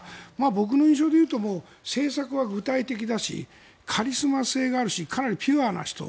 僕の印象でいうと政策は具体的だしカリスマ性があるしかなりピュアな人。